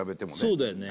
そうだよね